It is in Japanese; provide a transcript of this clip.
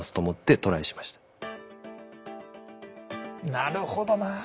なるほどな。